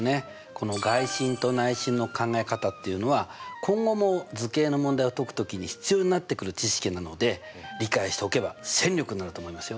この外心と内心の考え方っていうのは今後も図形の問題を解く時に必要になってくる知識なので理解しておけば戦力になると思いますよ。